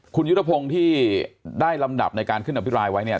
คุณยุทธพงศ์ที่ได้ลำดับในการขึ้นอภิปรายไว้เนี่ย